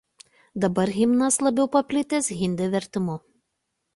Dabar himnas labiau paplitęs hindi vertimu.